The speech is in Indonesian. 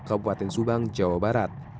kabupaten subang jawa barat